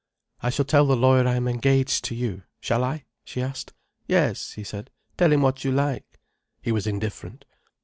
"I shall tell the lawyer I am engaged to you. Shall I?" she asked. "Yes," he said. "Tell him what you like." He was indifferent.